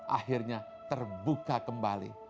akhirnya terbuka kembali